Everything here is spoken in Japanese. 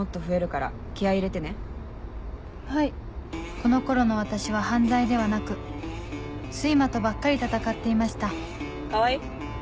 この頃の私は犯罪ではなく睡魔とばっかり闘っていました川合。